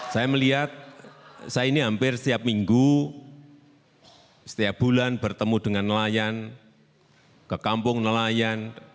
saya melihat saya ini hampir setiap minggu setiap bulan bertemu dengan nelayan ke kampung nelayan